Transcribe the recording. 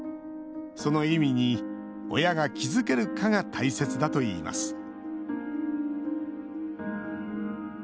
その意味に親が気付けるかが大切だといいます